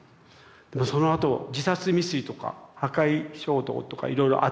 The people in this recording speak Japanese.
そのあと自殺未遂とか破壊衝動とかいろいろあって。